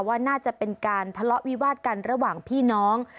ว่าน่าจะเป็นการทะเลาะวิวาดกันระหว่างพี่น้อง